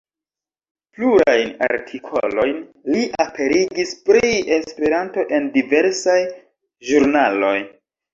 Plurajn artikolojn li aperigis pri Esperanto en diversaj ĵurnaloj.